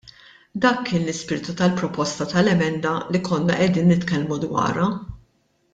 Dak kien l-ispirtu tal-proposta tal-emenda li konna qegħdin nitkellmu dwarha.